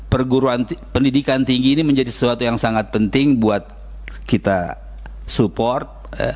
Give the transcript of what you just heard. perguruan pendidikan tinggi ini menjadi sesuatu yang sangat penting buat kita support